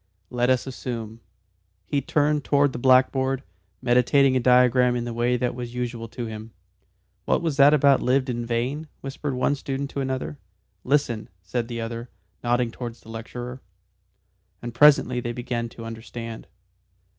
Let us assume " He turned towards the blackboard, meditating a diagram in the way that was usual to him. "What was that about 'lived in vain?'" whispered one student to another. "Listen," said the other, nodding towards the lecturer. And presently they began to understand.